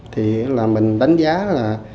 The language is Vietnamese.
thì là mình đánh giá là